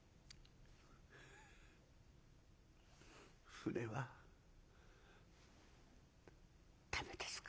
「舟は駄目ですか？」。